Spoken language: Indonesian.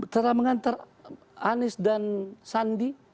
terlalu mengantar anis dan sandi